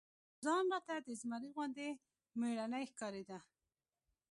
ځان راته د زمري غوندي مېړنى ښکارېده.